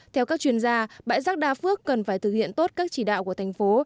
theo các chuyên gia bãi rác đa phước cần phải thực hiện tốt các chỉ đạo của thành phố